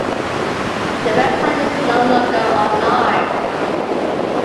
The website is no longer online.